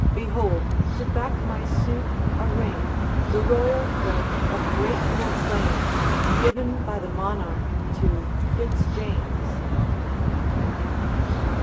Behold, to back my suit, a ring, The royal pledge of grateful claims, Given by the Monarch to Fitz James.'